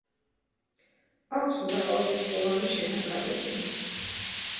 აქვს მრავალრიცხოვანი შენაკადები.